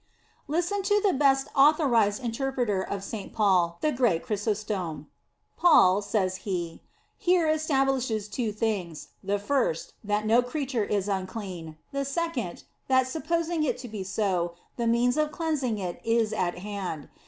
Listen to the best authorized interpreter of St. Paul, the great Chrysostom. " Paul," says he, " here establishes two things ; the first, that no creature is unclean; the second, that supposing it to be so, the means of cleansing it is at hand.